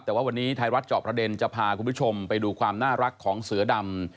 แต่ว่าวันนี้ไทยรัฐเจาะประเด็นจะพาคุณผู้ชมไปดูความน่ารักของเสือดำ